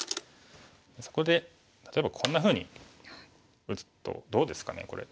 そこで例えばこんなふうに打つとどうですかねこれ。